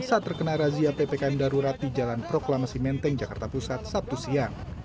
saat terkena razia ppkm darurat di jalan proklamasi menteng jakarta pusat sabtu siang